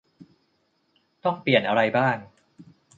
ต้องเปลี่ยนอะไรบ้าง